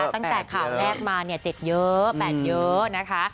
ตั้งแต่ข่าวแรกมา๗เยอะ๘เยอะนะคะ